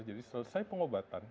jadi selesai pengobatan